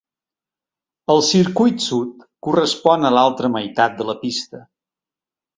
El circuit Sud correspon a l'altra meitat de la pista.